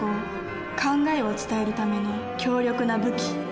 考えを伝えるための強力な武器。